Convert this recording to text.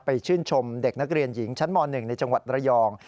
ชื่นชมเด็กนักเรียนหญิงชั้นม๑ในจังหวัดระยอง